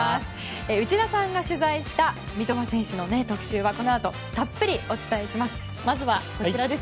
内田さんが取材した三笘選手の特集はこのあとたっぷりお伝えします。